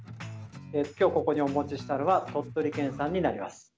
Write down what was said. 今日ここにお持ちしたのは鳥取産になります。